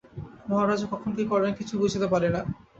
মহারাজা কখন কী যে করেন, কিছু বুঝিতে পারি না।